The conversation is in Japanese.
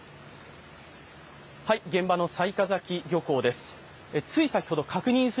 現場の雑賀崎漁港です。